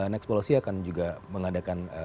next policy akan juga mengadakan